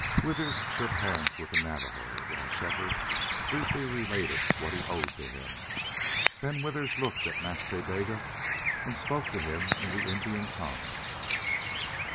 Withers shook hands with the Navajo while Shefford briefly related what he owed to him. Then Withers looked at Nas Ta Bega and spoke to him in the Indian tongue.